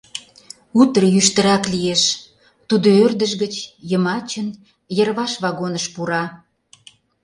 Утыр йӱштырак лиеш, тудо ӧрдыж гыч, йымачын, йырваш вагоныш пура.